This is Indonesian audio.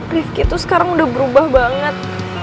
rifki tuh sekarang udah berubah banget